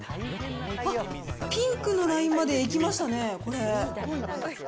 あっ、ピンクのラインまでいきましたね。